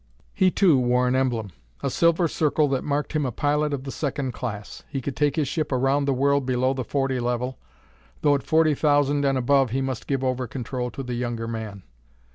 He, too, wore an emblem: a silver circle that marked him a pilot of the second class; he could take his ship around the world below the forty level, though at forty thousand and above he must give over control to the younger man.